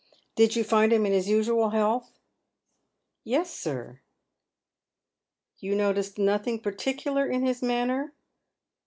" Did you find him in his usual health ?" "Yes, sir." " You noticed nothing particular in his manner?"